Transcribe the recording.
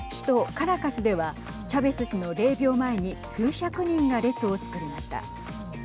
カラカスではチャベス氏の霊びょう前に数百人が列を作りました。